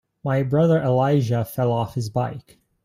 My brother Elijah fell off his bike.